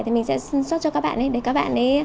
thì mình sẽ xuất cho các bạn để các bạn